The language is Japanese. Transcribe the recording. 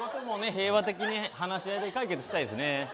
平和的に話し合いで解決したいですね